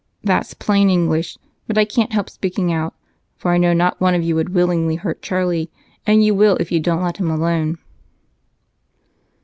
That's plain English, but I can't help speaking out, for I know not one of you would willingly hurt Charlie, and you will if you don't let him alone."